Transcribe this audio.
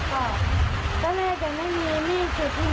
ก็พาหนูออกแบบร่านมันตัวไปทางแหน่ง